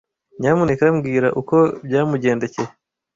Nyamuneka mbwira uko byamugendekeye.